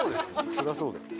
それはそうだよ。